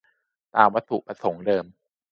"ตามวัตถุประสงค์เดิม"